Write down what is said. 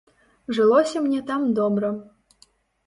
Жылося мне там добра.